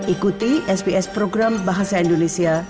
ikuti experts program bahasa indonesia